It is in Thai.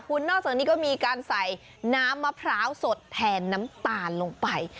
คุณนอกจากนี้ก็มีการใส่น้ำมะพร้าวสดแทนน้ำตาลลงไป